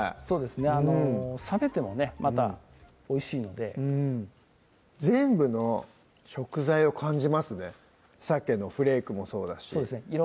そうですね冷めてもねまたおいしいのでうん全部の食材を感じますねさけのフレークもそうだしそうですね